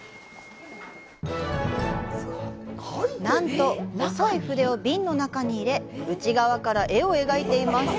なんと、細い筆を瓶の中に入れ内側から絵を描いています。